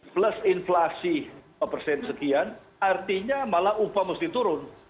plus inflasi persen sekian artinya malah upah mesti turun